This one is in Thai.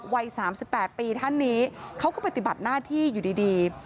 วัย๓๘ปีท่านนี้เขาก็ปฏิบัติหน้าที่อยู่ดี